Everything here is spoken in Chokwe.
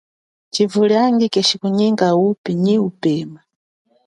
Tshivuliangi keshikunyika wupi nyi upeme.